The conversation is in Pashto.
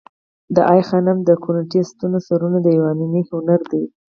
د آی خانم د کورینتی ستونو سرونه د یوناني هنر دي